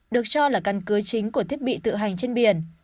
được cho là căn cứ chính của thiết bị tự hành trên biển